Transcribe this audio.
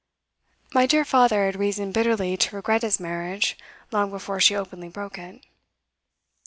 My dear father had reason bitterly to regret his marriage long before she openly broke it.